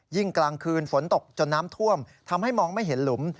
กลางคืนฝนตกจนน้ำท่วมทำให้มองไม่เห็นหลุม